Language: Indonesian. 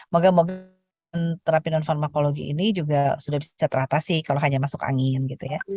moga moga terapi non farmakologi ini juga sudah bisa teratasi kalau hanya masuk angin gitu ya